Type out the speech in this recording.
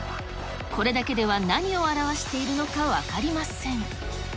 これだけでは何を表しているのか分かりません。